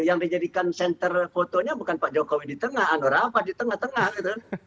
yang dijadikan center fotonya bukan pak jokowi di tengah anur apa di tengah tengah gitu kan